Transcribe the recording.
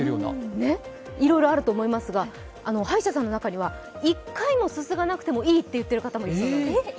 ね、いろいろあると思いますが、歯医者さんの中には１回もすすがなくてもいいと言ってる人もいます。